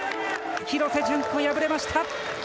廣瀬順子敗れました。